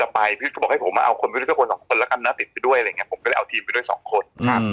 พี่ยุทธ์ก็ก็บอกว่าของผมเอาหัวคนไปด้วย๒คนก็เลยเอาทีมไปด้วย๒คน